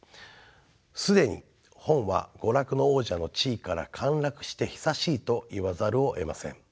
既に本は娯楽の王者の地位から陥落して久しいと言わざるをえません。